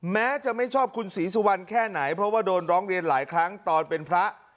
แม้จะไม่ชอบคุณศรีสุวรรณแค่ไหนเพราะว่าโดนร้องเรียนหลายครั้งตอนเป็นพระ